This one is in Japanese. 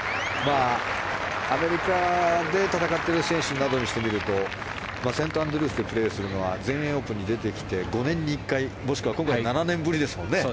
アメリカで戦っている選手などにしてみるとセントアンドリュースでプレーするのは全英オープンに出てきて５年に１回もしくは７年ぶりですもんね。